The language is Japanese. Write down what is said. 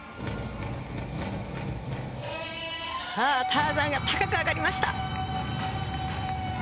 ターザンが高く上がりました。